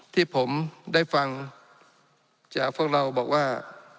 ที่ผมได้ฟังจากพวกเราบอกว่า